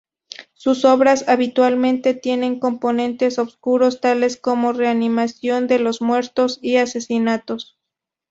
Sus obras habitualmente tienen componentes oscuros tales como reanimación de los muertos y asesinatos.